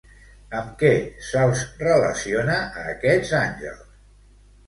Amb què se'ls relaciona a aquests àngels?